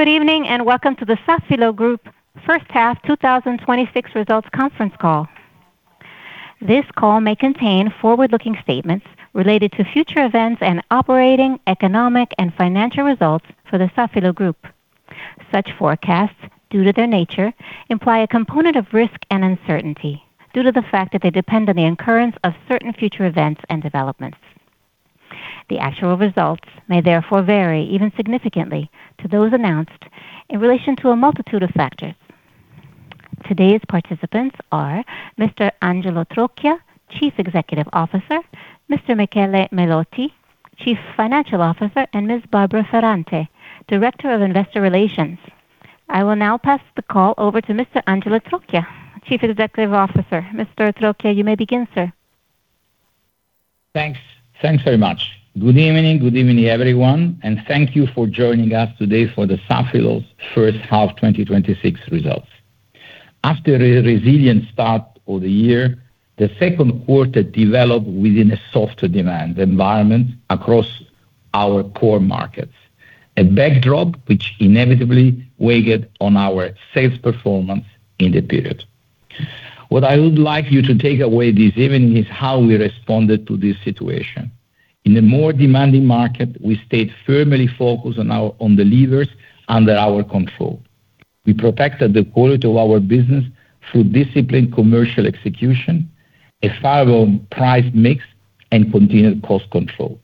Good evening, and welcome to the Safilo Group first half 2026 results conference call. This call may contain forward-looking statements related to future events and operating, economic, and financial results for the Safilo Group. Such forecasts, due to their nature, imply a component of risk and uncertainty due to the fact that they depend on the occurrence of certain future events and developments. The actual results may therefore vary, even significantly, to those announced in relation to a multitude of factors. Today's participants are Mr. Angelo Trocchia, Chief Executive Officer, Mr. Michele Melotti, Chief Financial Officer, and Ms. Barbara Ferrante, Director of Investor Relations. I will now pass the call over to Mr. Angelo Trocchia, Chief Executive Officer. Mr. Trocchia, you may begin, sir. Thanks very much. Good evening, everyone, and thank you for joining us today for Safilo's first half 2026 results. After a resilient start of the year, the second quarter developed within a softer demand environment across our core markets, a backdrop which inevitably weighed on our sales performance in the period. What I would like you to take away this evening is how we responded to this situation. In a more demanding market, we stayed firmly focused on the levers under our control. We protected the quality of our business through disciplined commercial execution, a favorable price mix, and continued cost control.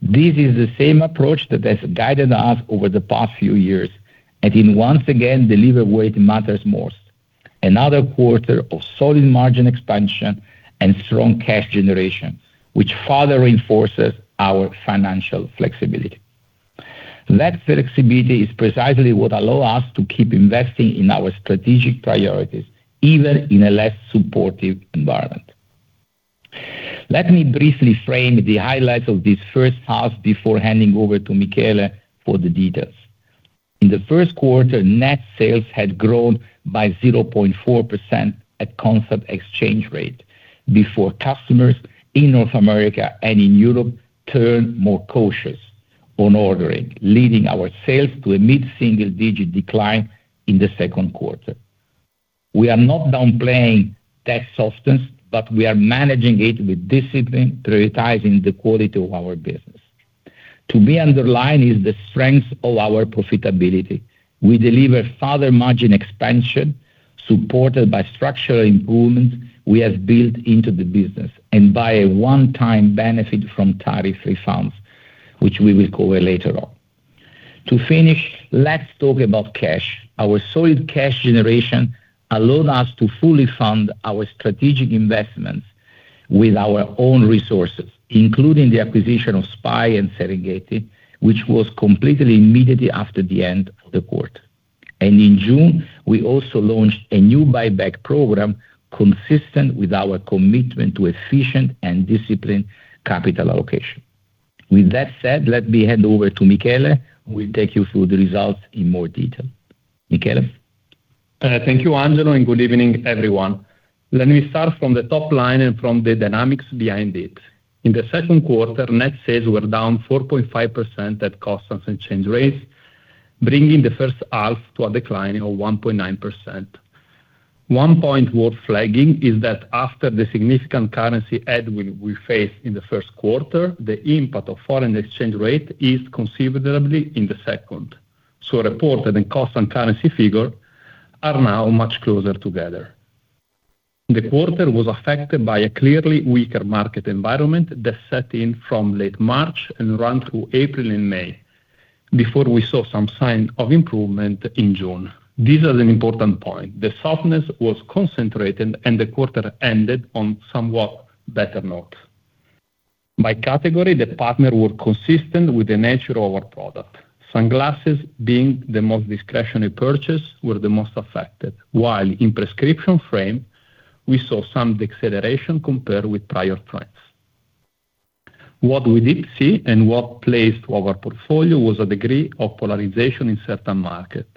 This is the same approach that has guided us over the past few years. It once again delivered where it matters most. Another quarter of solid margin expansion and strong cash generation, which further reinforces our financial flexibility. That flexibility is precisely what allows us to keep investing in our strategic priorities, even in a less supportive environment. Let me briefly frame the highlights of this first half before handing over to Michele for the details. In the first quarter, net sales had grown by 0.4% at constant exchange rate before customers in North America and in Europe turned more cautious on ordering, leading our sales to a mid-single-digit decline in the second quarter. We are not downplaying that softness, but we are managing it with discipline, prioritizing the quality of our business. To be underlined is the strength of our profitability. We delivered further margin expansion supported by structural improvements we have built into the business and by a one-time benefit from tariff refunds, which we will cover later on. To finish, let's talk about cash. Our solid cash generation allows us to fully fund our strategic investments with our own resources, including the acquisition of SPY+ and Serengeti, which was completed immediately after the end of the quarter. In June, we also launched a new buyback program consistent with our commitment to efficient and disciplined capital allocation. With that said, let me hand over to Michele, who will take you through the results in more detail. Michele? Thank you, Angelo, and good evening, everyone. Let me start from the top line and from the dynamics behind it. In the second quarter, net sales were down 4.5% at constant exchange rates, bringing the first half to a decline of 1.9%. One point worth flagging is that after the significant currency headwind we faced in the first quarter, the impact of foreign exchange rate eased considerably in the second. Reported and constant currency figures are now much closer together. The quarter was affected by a clearly weaker market environment that set in from late March and ran through April and May, before we saw some sign of improvement in June. This is an important point. The softness was concentrated, and the quarter ended on a somewhat better note. By category, the partners were consistent with the nature of our product. Sunglasses, being the most discretionary purchase, were the most affected. While in prescription frames, we saw some deceleration compared with prior trends. What we did see and what plays to our portfolio was a degree of polarization in certain markets,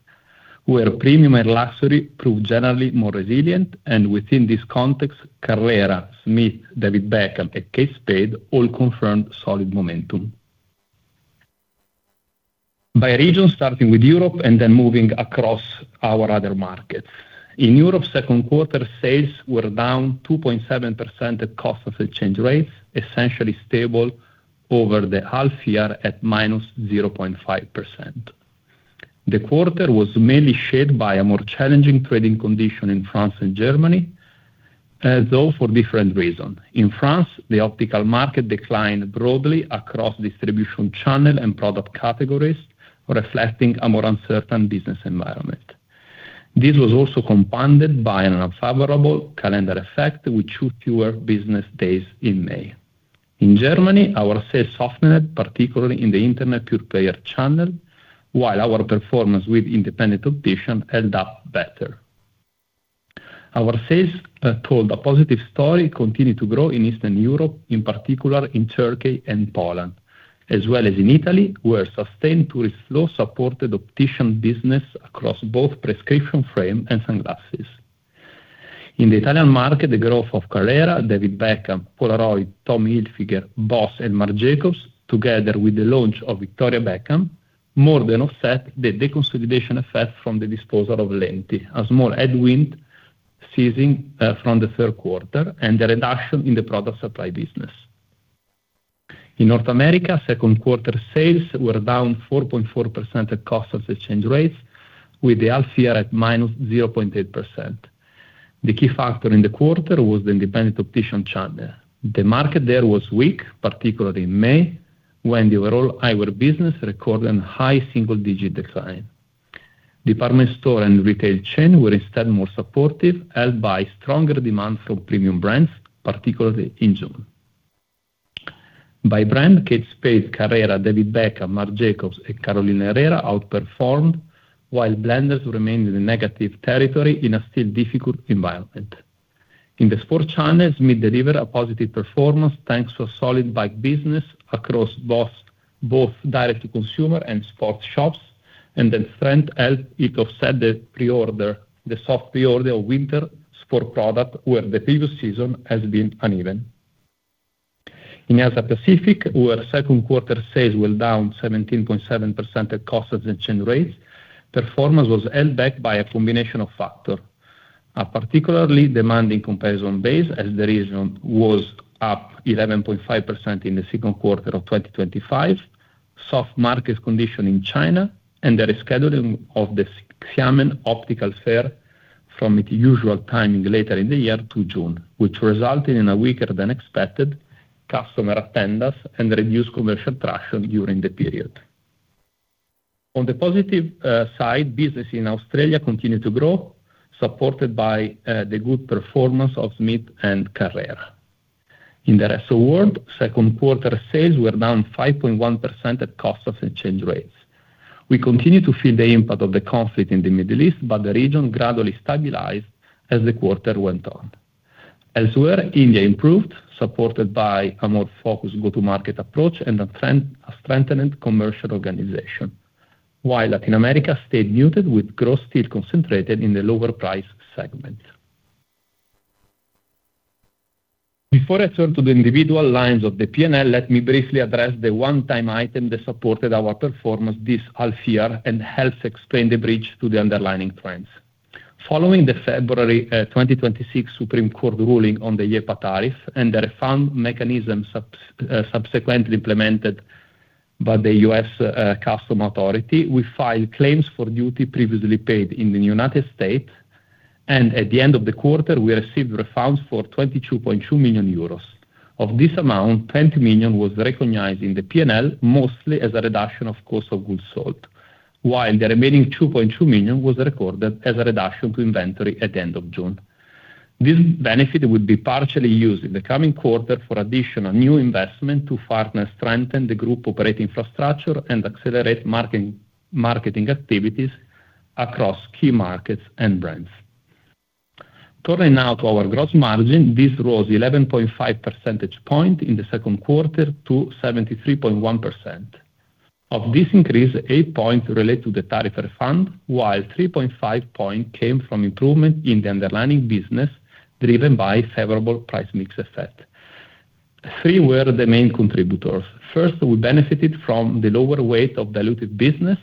where premium and luxury proved generally more resilient. Within this context, Carrera, Smith, David Beckham, and Kate Spade all confirmed solid momentum. By region, starting with Europe and then moving across our other markets. In Europe, second quarter sales were down 2.7% at constant exchange rates, essentially stable over the half year at -0.5%. The quarter was mainly shaped by a more challenging trading condition in France and Germany, though for different reasons. In France, the optical market declined broadly across distribution channels and product categories, reflecting a more uncertain business environment. This was also compounded by an unfavorable calendar effect with two fewer business days in May. In Germany, our sales softened, particularly in the Internet pure player channel, while our performance with independent opticians held up better. Our sales told a positive story, continuing to grow in Eastern Europe, in particular in Turkey and Poland, as well as in Italy, where sustained tourist flow supported optician business across both prescription frames and sunglasses. In the Italian market, the growth of Carrera, David Beckham, Polaroid, Tommy Hilfiger, BOSS, and Marc Jacobs, together with the launch of Victoria Beckham, more than offset the deconsolidation effect from the disposal of Lenti, a small headwind ceasing from the third quarter and the reduction in the product supply business. In North America, second quarter sales were down 4.4% at constant exchange rates, with the half year at -0.8%. The key factor in the quarter was the independent optician channel. The market there was weak, particularly in May, when the overall eyewear business recorded a high single-digit decline. Department store and retail chain were instead more supportive, helped by stronger demand from premium brands, particularly in June. By brand, Kate Spade, Carrera, David Beckham, Marc Jacobs, and Carolina Herrera outperformed, while Blenders remained in negative territory in a still difficult environment. In the sports channels, we delivered a positive performance thanks to a solid bike business across both direct-to-consumer and sports shops, the strength helped it offset the soft pre-order of winter sports product, where the previous season has been uneven. In Asia Pacific, where second quarter sales were down 17.7% at constant exchange rates, performance was held back by a combination of factor. A particularly demanding comparison base as the region was up 11.5% in the second quarter of 2025, soft market condition in China, and the rescheduling of the Xiamen Optical Fair from its usual timing later in the year to June, which resulted in a weaker than expected customer attendance and reduced commercial traction during the period. On the positive side, business in Australia continued to grow, supported by the good performance of Smith and Carrera. In the rest of world, second quarter sales were down 5.1% at constant exchange rates. We continue to feel the impact of the conflict in the Middle East, but the region gradually stabilized as the quarter went on. Elsewhere, India improved, supported by a more focused go-to-market approach and a strengthened commercial organization, while Latin America stayed muted with growth still concentrated in the lower price segment. Before I turn to the individual lines of the P&L, let me briefly address the one-time item that supported our performance this half year and helps explain the bridge to the underlying trends. Following the February 2026 Supreme Court ruling on the [EPA] tariff and the refund mechanism subsequently implemented by the U.S. Customs authority, we filed claims for duty previously paid in the United States, and at the end of the quarter, we received refunds for 22.2 million euros. Of this amount, 20 million was recognized in the P&L, mostly as a reduction of cost of goods sold, while the remaining 2.2 million was recorded as a reduction to inventory at the end of June. This benefit would be partially used in the coming quarter for additional new investment to further strengthen the group operating infrastructure and accelerate marketing activities across key markets and brands. Turning now to our gross margin, this rose 11.5 percentage points in the second quarter to 73.1%. Of this increase, 8 points relate to the tariff refund, while 3.5 points came from improvement in the underlying business, driven by favorable price mix effect. Three were the main contributors. First, we benefited from the lower weight of diluted business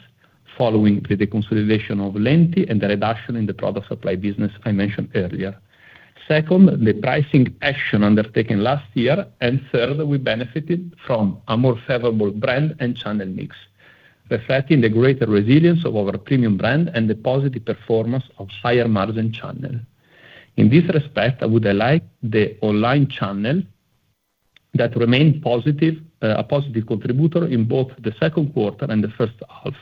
following the deconsolidation of Lenti and the reduction in the product supply business I mentioned earlier. Second, the pricing action undertaken last year, and third, we benefited from a more favorable brand and channel mix, reflecting the greater resilience of our premium brand and the positive performance of higher margin channel. In this respect, I would highlight the online channel that remained a positive contributor in both the second quarter and the first half,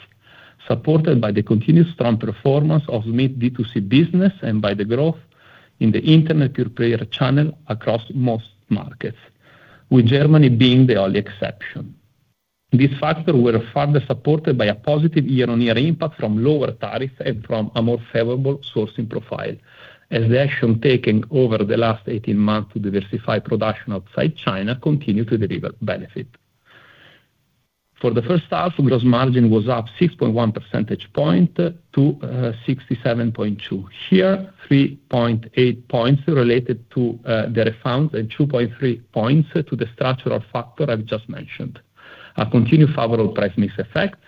supported by the continued strong performance of Smith D2C business and by the growth in the internet pure player channel across most markets, with Germany being the only exception. These factors were further supported by a positive year-on-year impact from lower tariffs and from a more favorable sourcing profile, as the action taken over the last 18 months to diversify production outside China continued to deliver benefit. For the first half, gross margin was up 6.1 percentage points to 67.2%. Here, 3.8 points related to the refunds and 2.3 points to the structural factor I've just mentioned. A continued favorable price mix effect,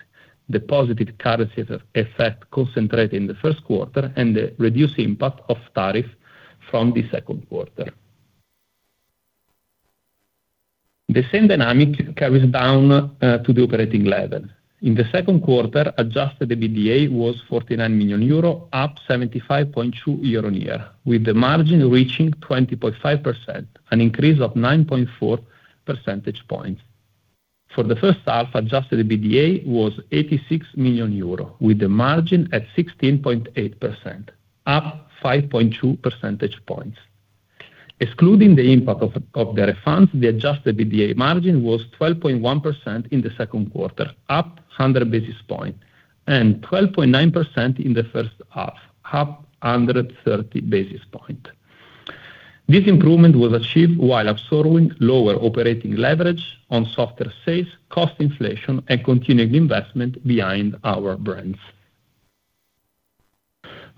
the positive currency effect concentrated in the first quarter, and the reduced impact of tariff from the second quarter. The same dynamic carries down to the operating level. In the second quarter, adjusted EBITDA was 49 million euro, up 75.2% year-on-year, with the margin reaching 20.5%, an increase of 9.4 percentage points. For the first half, adjusted EBITDA was 86 million euro, with the margin at 16.8%, up 5.2 percentage points. Excluding the impact of the refunds, the adjusted EBITDA margin was 12.1% in the second quarter, up 100 basis points, and 12.9% in the first half, up 130 basis points. This improvement was achieved while absorbing lower operating leverage on softer sales, cost inflation, and continued investment behind our brands.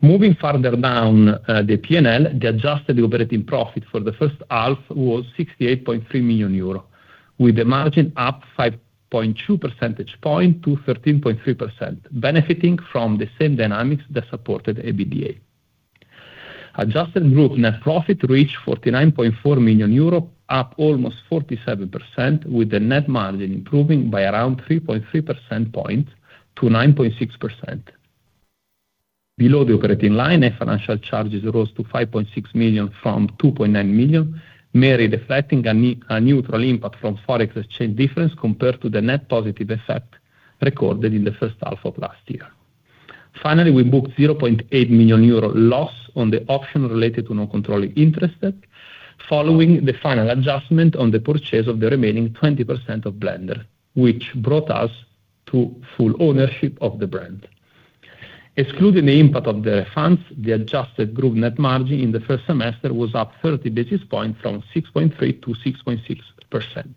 Moving further down the P&L, the adjusted operating profit for the first half was 68.3 million euro, with the margin up 5.2 percentage points to 13.3%, benefiting from the same dynamics that supported EBITDA. Adjusted group net profit reached 49.4 million euro, up almost 47%, with the net margin improving by around 3.3 percentage points to 9.6%. Below the operating line, our financial charges rose to 5.6 million from 2.9 million, mainly reflecting a neutral impact from Forex exchange difference compared to the net positive effect recorded in the first half of last year. Finally, we booked 0.8 million euro loss on the option related to non-controlling interest, following the final adjustment on the purchase of the remaining 20% of Blenders, which brought us to full ownership of the brand. Excluding the impact of the refunds, the adjusted group net margin in the first semester was up 30 basis points from 6.3%-6.6%.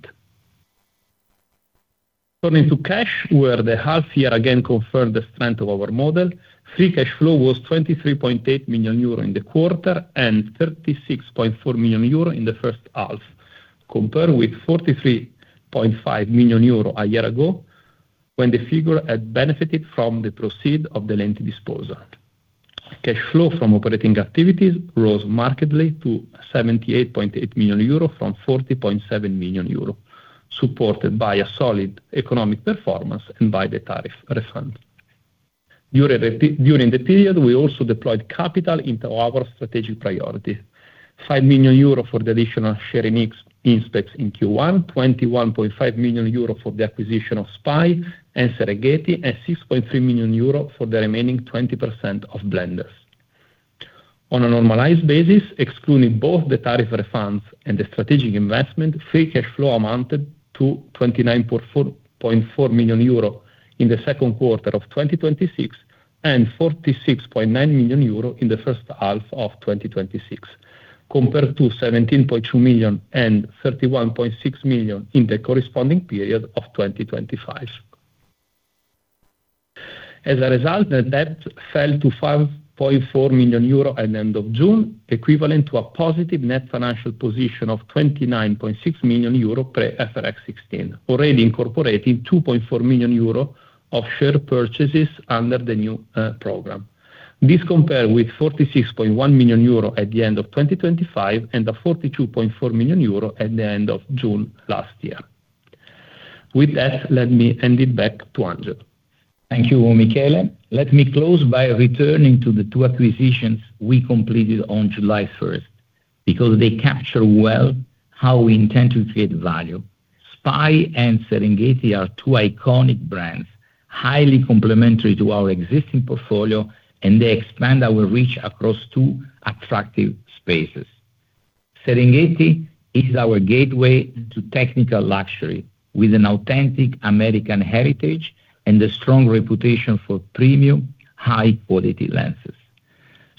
Turning to cash, where the half year again confirmed the strength of our model. Free cash flow was 23.8 million euro in the quarter and 36.4 million euro in the first half, compared with 43.5 million euro a year ago, when the figure had benefited from the proceed of the Lenti S.r.l. disposal. Cash flow from operating activities rose markedly to 78.8 million euro from 40.7 million euro, supported by a solid economic performance and by the tariff refund. During the period, we also deployed capital into our strategic priority, 5 million euro for the additional share in Inspecs in Q1, 21.5 million euro for the acquisition of SPY+ and Serengeti, and 6.3 million euro for the remaining 20% of Blenders. On a normalized basis, excluding both the tariff refunds and the strategic investment, free cash flow amounted to 29.4 million euro in the second quarter of 2026 and 46.9 million euro in the first half of 2026, compared to 17.2 million and 31.6 million in the corresponding period of 2025. As a result, the debt fell to 5.4 million euro at end of June, equivalent to a positive net financial position of 29.6 million euro per IFRS 16, already incorporating 2.4 million euro of share purchases under the new program. This compared with 46.1 million euro at the end of 2025 and 42.4 million euro at the end of June last year. With that, let me hand it back to Angelo. Thank you, Michele. Let me close by returning to the two acquisitions we completed on July 1st, because they capture well how we intend to create value. SPY+ and Serengeti are two iconic brands, highly complementary to our existing portfolio, and they expand our reach across two attractive spaces. Serengeti is our gateway to technical luxury with an authentic American heritage and a strong reputation for premium high quality lenses.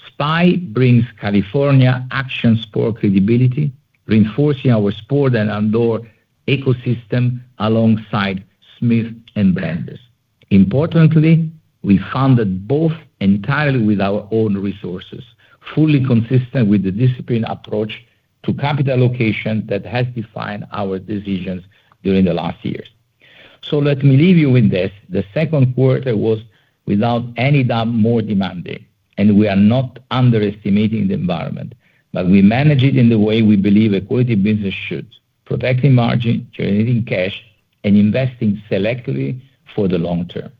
SPY+ brings California action sport credibility, reinforcing our sport and outdoor ecosystem alongside Smith and Blenders. Importantly, we funded both entirely with our own resources, fully consistent with the disciplined approach to capital allocation that has defined our decisions during the last years. Let me leave you with this. The second quarter was, without any doubt, more demanding, and we are not underestimating the environment. We manage it in the way we believe a quality business should, protecting margin, generating cash, and investing selectively for the long term.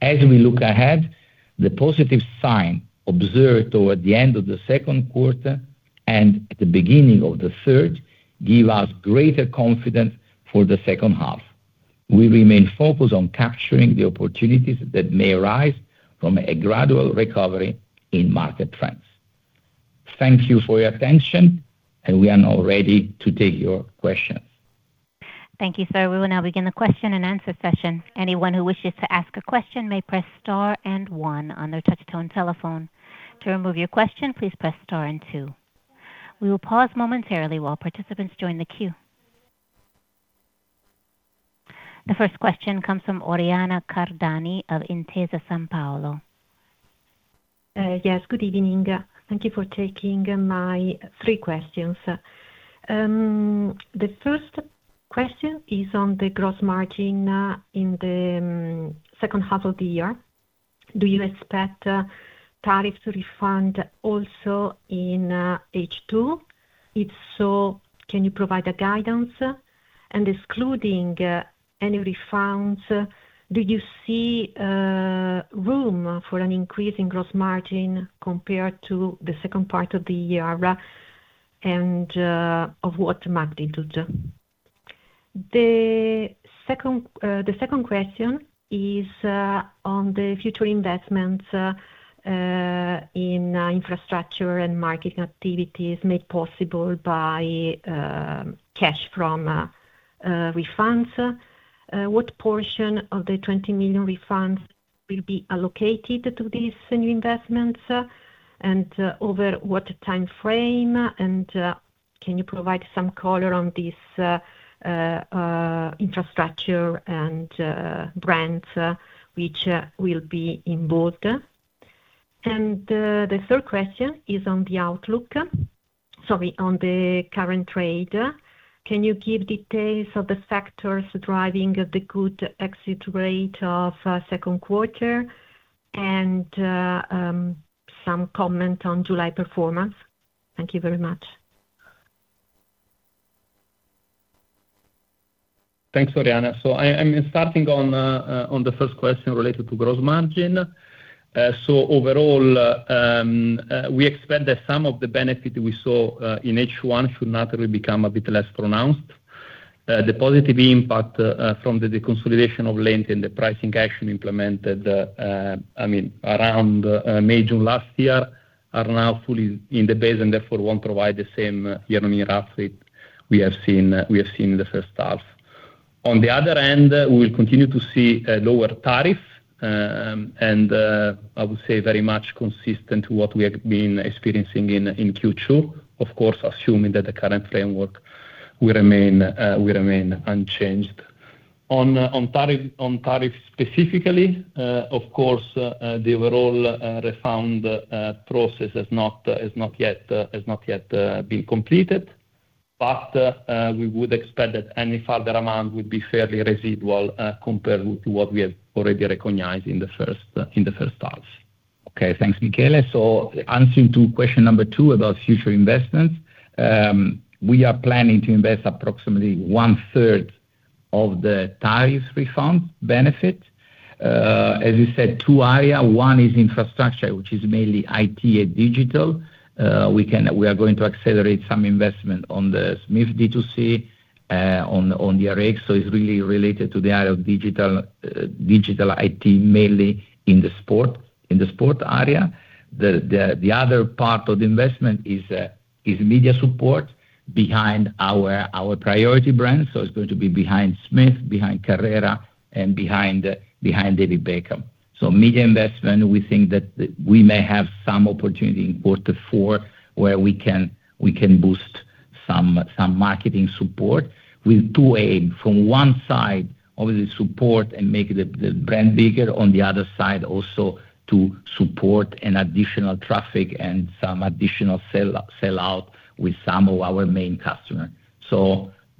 As we look ahead, the positive sign observed toward the end of the second quarter and at the beginning of the third give us greater confidence for the second half. We remain focused on capturing the opportunities that may arise from a gradual recovery in market trends. Thank you for your attention. We are now ready to take your questions. Thank you, sir. We will now begin the question-and-answer session. Anyone who wishes to ask a question may press star and one on their touch-tone telephone. To remove your question, please press star and two. We will pause momentarily while participants join the queue. The first question comes from Oriana Cardani of Intesa Sanpaolo. Yes. Good evening. Thank you for taking my three questions. The first question is on the gross margin in the second half of the year. Do you expect tariff refund also in H2? If so, can you provide a guidance? Excluding any refunds, do you see room for an increase in gross margin compared to the second part of the year and of what magnitude? The second question is on the future investments in infrastructure and marketing activities made possible by cash from refunds. What portion of the 20 million refunds will be allocated to these new investments? Over what time frame? Can you provide some color on this infrastructure and brands which will be involved? The third question is on the outlook-- sorry, on the current trade. Can you give details of the factors driving the good exit rate of second quarter and some comment on July performance? Thank you very much. Thanks, Oriana. I'm starting on the first question related to gross margin. Overall, we expect that some of the benefit we saw in H1 should naturally become a bit less pronounced. The positive impact from the consolidation of Lenti and the pricing action implemented around May, June last year are now fully in the base and therefore won't provide the same year-on-year uplift we have seen in the first half. On the other end, we will continue to see a lower tariff, and I would say very much consistent to what we have been experiencing in Q2, of course, assuming that the current framework will remain unchanged. On tariff specifically, of course, the overall refund process has not yet been completed. We would expect that any further amount would be fairly residual, compared to what we have already recognized in the first half. Okay. Thanks, Michele. Answering to question number two about future investments. We are planning to invest approximately one third of the tariff refund benefit. As you said, two area, one is infrastructure, which is mainly IT and digital. We are going to accelerate some investment on the Smith D2C, on DRX. It's really related to the area of digital IT, mainly in the sport area. The other part of the investment is media support behind our priority brands. It's going to be behind Smith, behind Carrera and behind David Beckham. Media investment, we think that we may have some opportunity in quarter four where we can boost some marketing support with two aim, from one side, obviously support and make the brand bigger. On the other side, also to support an additional traffic and some additional sellout with some of our main customer.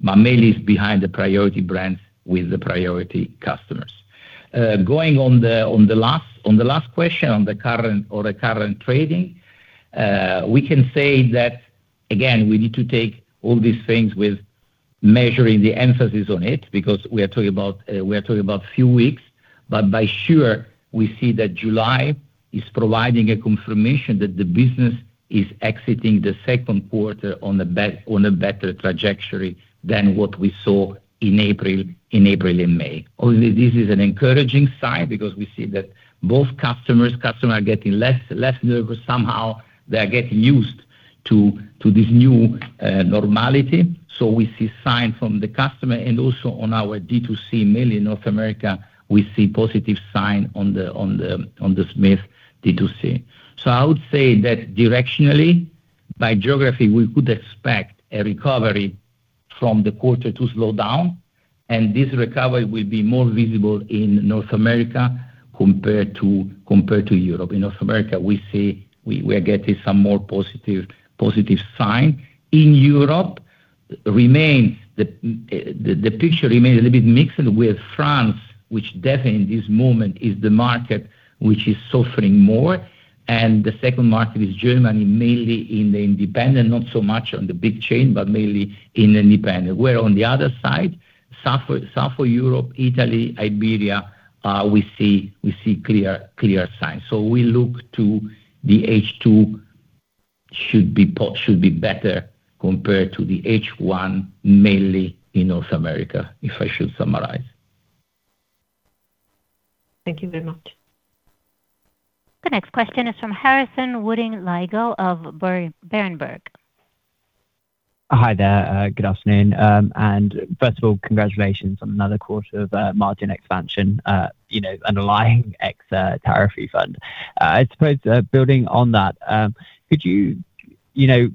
Mainly is behind the priority brands with the priority customers. Going on the last question on the current or the current trading, we can say that, again, we need to take all these things with measuring the emphasis on it, because we are talking about a few weeks. By sure, we see that July is providing a confirmation that the business is exiting the second quarter on a better trajectory than what we saw in April and May. Obviously, this is an encouraging sign because we see that both customers are getting less nervous. Somehow they are getting used to this new normality. We see signs from the customer and also on our D2C mail in North America, we see positive sign on the Smith D2C. I would say that directionally, by geography, we could expect a recovery from the quarter two slowdown, and this recovery will be more visible in North America compared to Europe. In North America, we are getting some more positive signs. In Europe, the picture remains a little bit mixed with France, which definitely in this moment is the market which is suffering more. The second market is Germany, mainly in the independent, not so much on the big chain, but mainly in the independent. Where on the other side, Southern Europe, Italy, Iberia, we see clear signs. We look to the H2 should be better compared to the H1, mainly in North America, if I should summarize. Thank you very much. The next question is from Harrison Woodin-Lygo of Berenberg. Hi there. Good afternoon. First of all, congratulations on another quarter of margin expansion underlying ex-tariff refund. I suppose building on that, could you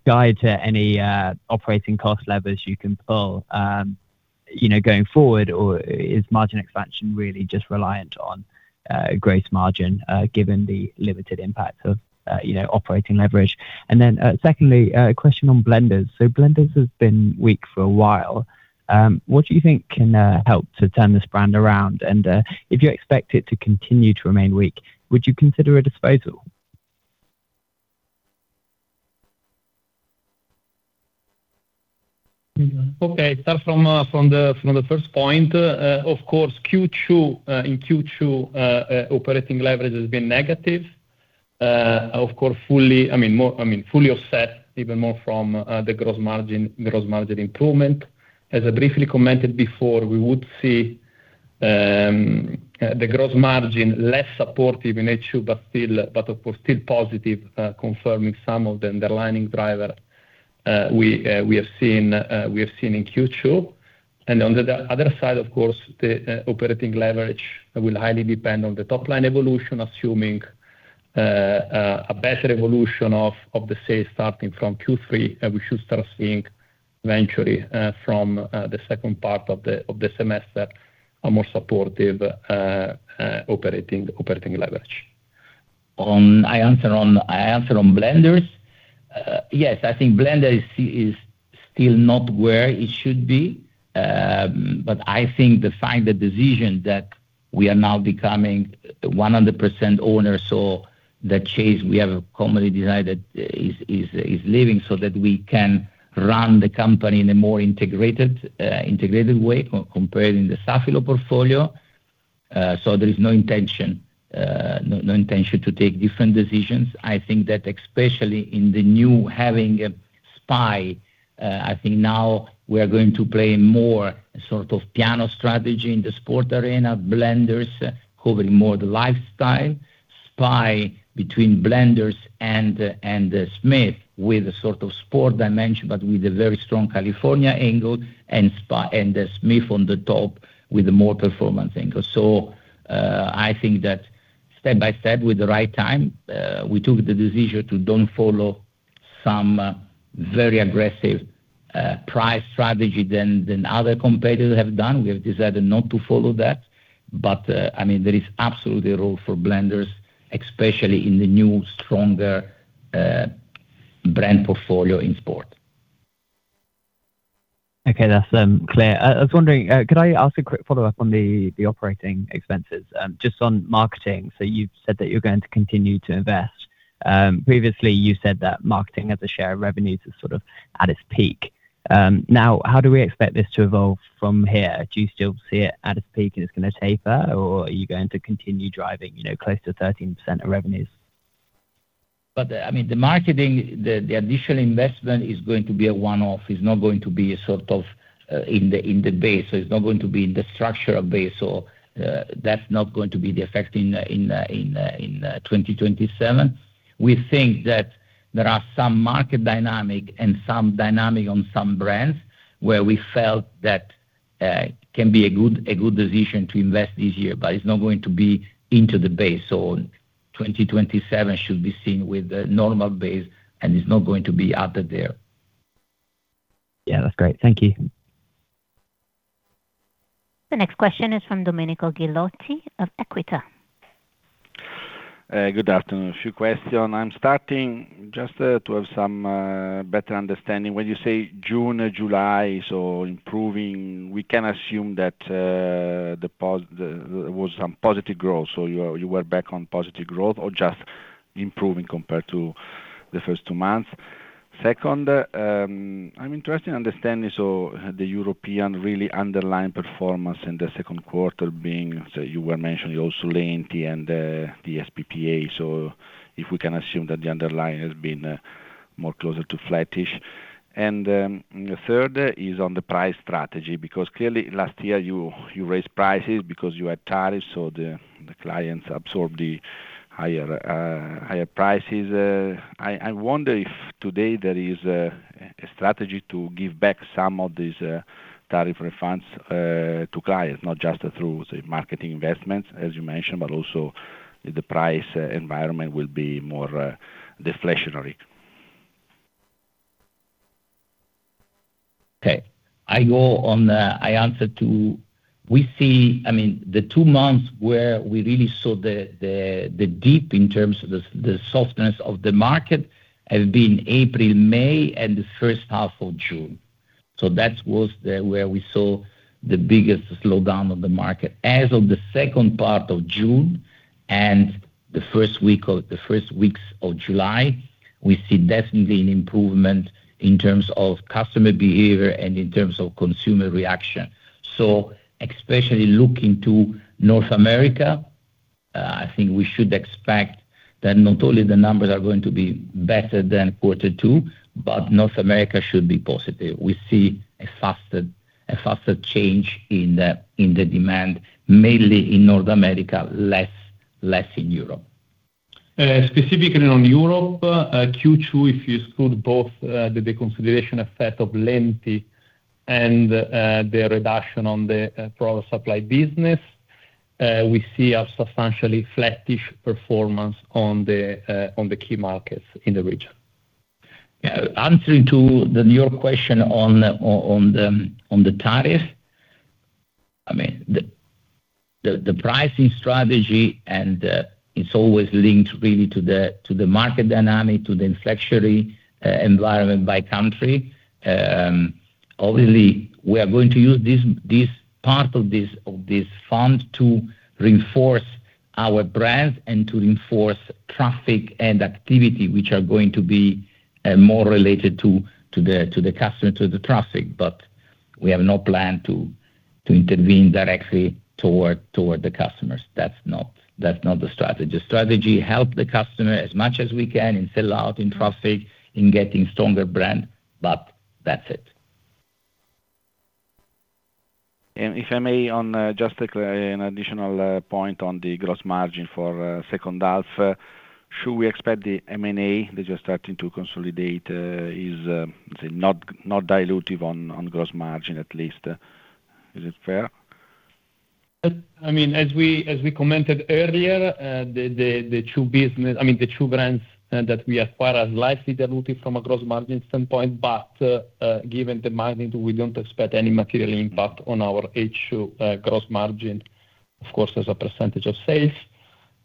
guide to any operating cost levers you can pull going forward or is margin expansion really just reliant on gross margin given the limited impact of operating leverage? Secondly, a question on Blenders. Blenders has been weak for a while. What do you think can help to turn this brand around? And if you expect it to continue to remain weak, would you consider a disposal? Okay. Start from the first point. Of course, in Q2 operating leverage has been negative. Of course, fully offset even more from the gross margin improvement. As I briefly commented before, we would see the gross margin less supportive in H2, but of course still positive, confirming some of the underlying driver. We have seen in Q2. On the other side, of course, the operating leverage will highly depend on the top-line evolution, assuming a better evolution of the sales starting from Q3. We should start seeing eventually from the second part of the semester a more supportive operating leverage I answer on Blenders. Yes, I think Blenders is still not where it should be, but I think the final decision that we are now becoming 100% owner, so that Chase, we have commonly decided, is leaving so that we can run the company in a more integrated way compared in the Safilo portfolio. There is no intention to take different decisions. I think that especially in the new having SPY+, I think now we are going to play more sort of piano strategy in the sport arena, Blenders covering more the lifestyle, SPY+ between Blenders and the Smith with a sort of sport dimension, but with a very strong California angle, and Smith on the top with a more performance angle. I think that step by step, with the right time, we took the decision to don't follow some very aggressive price strategy than other competitors have done. We have decided not to follow that. There is absolutely a role for Blenders, especially in the new, stronger brand portfolio in sport. Okay, that's clear. I was wondering, could I ask a quick follow-up on the operating expenses? Just on marketing, you've said that you're going to continue to invest. Previously you said that marketing as a share of revenues is sort of at its peak. How do we expect this to evolve from here? Do you still see it at its peak and it's going to taper, or are you going to continue driving close to 13% of revenues? The marketing, the additional investment is going to be a one-off. It's not going to be in the base. It's not going to be in the structural base or that's not going to be the effect in 2027. We think that there are some market dynamics and some dynamics on some brands where we felt that can be a good decision to invest this year, but it's not going to be into the base. 2027 should be seen with a normal base, and it's not going to be added there. Yeah, that's great. Thank you. The next question is from Domenico Ghilotti of Equita. Good afternoon. A few questions. I'm starting just to have some better understanding. When you say June, July, improving, we can assume that there was some positive growth, you are back on positive growth or just improving compared to the first two months? Second, I'm interested in understanding, the European really underlying performance in the second quarter being, you were mentioning also Lenti and the SPPA. If we can assume that the underlying has been more closer to flattish. Third is on the price strategy, because clearly last year you raised prices because you had tariffs, the clients absorbed the higher prices. I wonder if today there is a strategy to give back some of these tariff refunds to clients, not just through, say, marketing investments, as you mentioned, but also the price environment will be more deflationary. Okay. I answer to. We see the two months where we really saw the dip in terms of the softness of the market has been April, May, and the first half of June. That was where we saw the biggest slowdown of the market. As of the second part of June and the first weeks of July, we see definitely an improvement in terms of customer behavior and in terms of consumer reaction. Especially looking to North America, I think we should expect that not only the numbers are going to be better than quarter two, but North America should be positive. We see a faster change in the demand, mainly in North America, less in Europe. Specifically on Europe, Q2, if you exclude both the reconsideration effect of Lenti and the reduction on the product supply business, we see a substantially flattish performance on the key markets in the region. Answering to your question on the tariff. The pricing strategy, it's always linked really to the market dynamic, to the inflationary environment by country. Obviously, we are going to use part of this fund to reinforce our brand and to reinforce traffic and activity, which are going to be more related to the customer, to the traffic. We have no plan to intervene directly toward the customers. That's not the strategy. The strategy, help the customer as much as we can in sell out, in traffic, in getting stronger brand, but that's it. If I may, just an additional point on the gross margin for second half. Should we expect the M&A that you're starting to consolidate is not dilutive on gross margin, at least? Is it fair? As we commented earlier, the two brands that we acquired are likely dilutive from a gross margin standpoint. Given the magnitude, we don't expect any material impact on our H2 gross margin, of course, as a percentage of sales.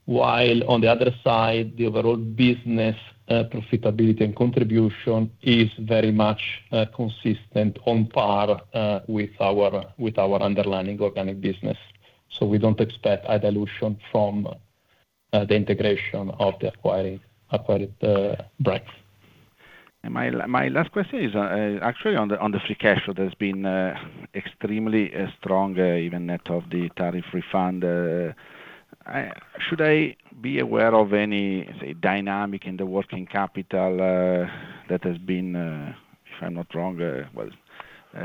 While on the other side, the overall business profitability and contribution is very much consistent on par with our underlying organic business. We don't expect a dilution from the integration of the acquired brands. My last question is actually on the free cash flow. There has been extremely strong even net of the tariff refund. Should I be aware of any, say, dynamic in the working capital that has been, if I am not wrong, well,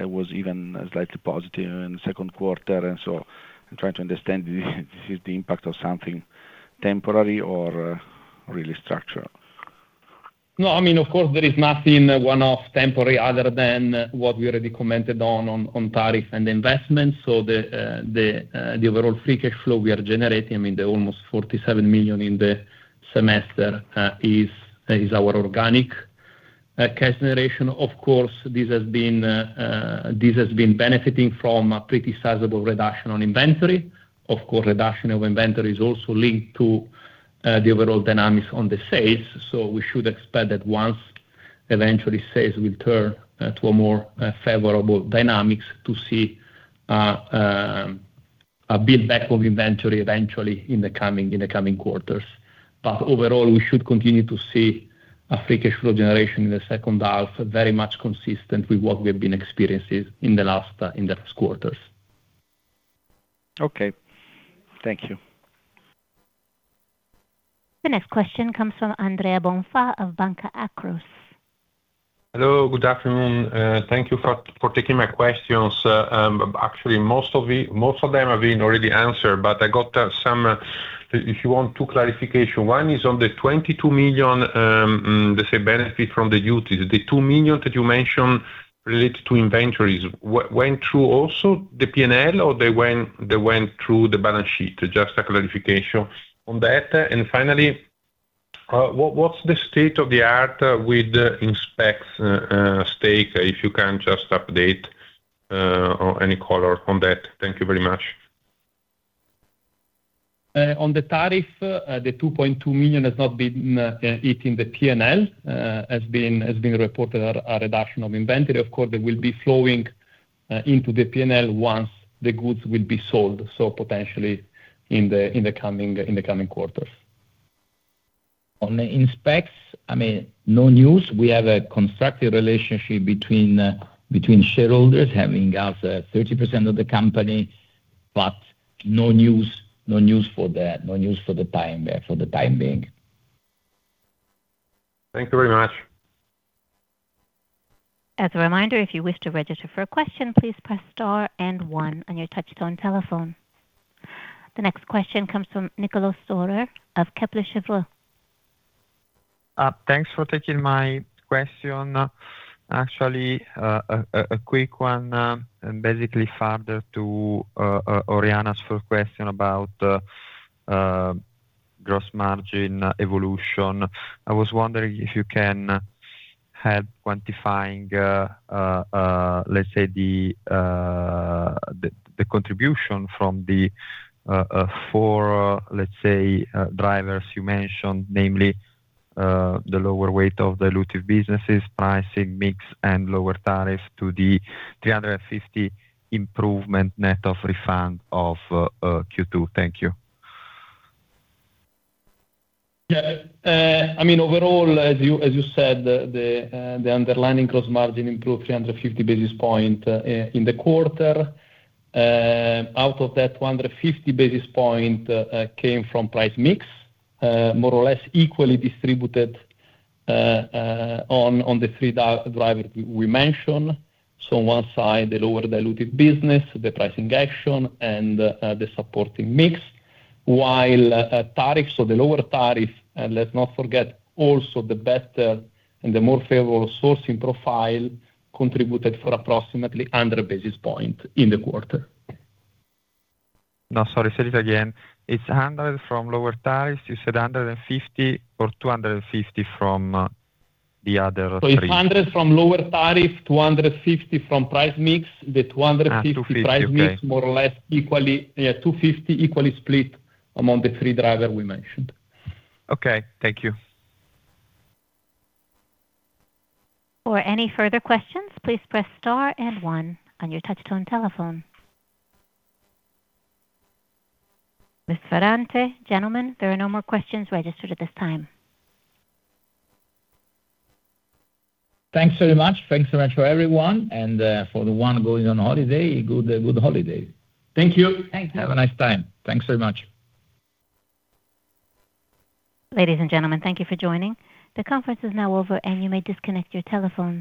it was even slightly positive in the second quarter. I am trying to understand if this is the impact of something temporary or really structural. No, of course, there is nothing one-off temporary other than what we already commented on tariff and investments. The overall free cash flow we are generating, the almost 47 million in the semester, is our organic cash generation. Of course, this has been benefiting from a pretty sizable reduction on inventory. Of course, reduction of inventory is also linked to the overall dynamics on the sales. We should expect that once eventually sales will turn to a more favorable dynamics to see a build-back of inventory eventually in the coming quarters. Overall, we should continue to see a free cash flow generation in the second half, very much consistent with what we have been experiencing in the first quarters. Okay. Thank you. The next question comes from Andrea Bonfà of Banca Akros. Hello, good afternoon. Thank you for taking my questions. Most of them have been already answered, but I got two clarifications. One is on the 22 million, let's say, benefit from the duties. The 2 million that you mentioned related to inventories, went through also the P&L or they went through the balance sheet? Just a clarification on that. Finally, what's the state of the art with Inspecs stake if you can just update or any color on that? Thank you very much. On the tariff, the 2.2 million has not been hitting the P&L. Has been reported a reduction of inventory. Of course, they will be flowing into the P&L once the goods will be sold, so potentially in the coming quarters. On the Inspecs, no news. We have a constructive relationship between shareholders having as at 30% of the company, no news for the time being. Thank you very much. As a reminder, if you wish to register for a question, please press star and one on your touch-tone telephone. The next question comes from Niccolò Storer of Kepler Cheuvreux. Thanks for taking my question. Actually, a quick one, basically further to Oriana's first question about gross margin evolution. I was wondering if you can help quantifying, let's say, the contribution from the four drivers you mentioned, namely the lower weight of dilutive businesses, pricing mix, and lower tariffs to the 350 improvement net of refund of Q2. Thank you. Yeah. Overall, as you said, the underlying gross margin improved 350 basis points in the quarter. Out of that, 250 basis points came from price mix, more or less equally distributed on the three drivers we mentioned. On one side, the lower dilutive business, the pricing action, and the supporting mix. While tariff, the lower tariff, and let's not forget also the better and the more favorable sourcing profile contributed for approximately 100 basis points in the quarter. No, sorry, say it again. It's 100 from lower tariff. You said 150 or 250 from the other three. It's 100 from lower tariff, 250 from price mix. The 250 price mix- EUR 250. Okay. more or less equally. Yeah, 250 equally split among the three drivers we mentioned. Okay. Thank you. For any further questions, please press star and one on your touch-tone telephone. Mrs. Ferrante, gentlemen, there are no more questions registered at this time. Thanks very much. Thanks very much for everyone and for the one going on holiday, good holiday. Thank you. Have a nice time. Thanks very much. Ladies and gentlemen, thank you for joining. The conference is now over, and you may disconnect your telephones.